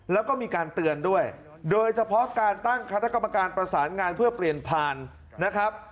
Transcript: แล้วก็มีการเตือนด้วยโดยเฉพาะการตั้งคณะกรรมการประสานงานเพื่อเปลี่ยนผ่านนะครับ